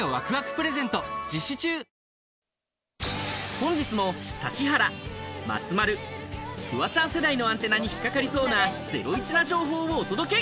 本日も指原、松丸、フワちゃん世代のアンテナに引っ掛かりそうなゼロイチな情報をお届け！